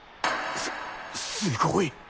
すすごい。